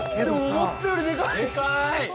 ◆思ったよりもでかい。